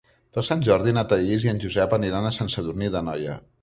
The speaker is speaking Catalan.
Per Sant Jordi na Thaís i en Josep aniran a Sant Sadurní d'Anoia.